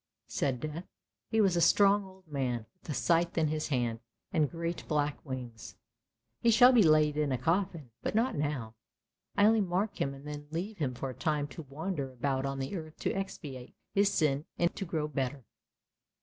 " said Death. He was a strong old man, with a scythe in his hand and great black wings. " He shall be laid in a coffin, but not now; I only mark him and then leave him for a time to wander about on the earth to expiate his sin and to grow better.